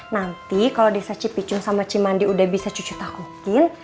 nanti kalau desa cipicung sama cimandi udah bisa cuci takutin